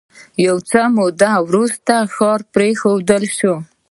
یو څه موده وروسته ښار پرېښودل شو.